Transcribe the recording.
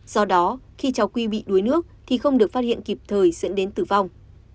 do đó khi cháu n c a qi bị đuối nước thì không được phát hiện kịp thời dẫn đến tử vong